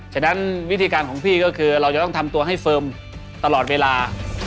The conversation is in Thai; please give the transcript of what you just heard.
ฉะนั้นวิธีการของพี่ก็คือเราจะต้องทำตัวให้เฟิร์มตลอดเวลา